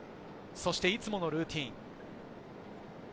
そしていつものルーティン。